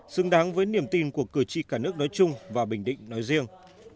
xứng đáng với niềm tin của cử tri cả nước nói chung và bình định nói riêng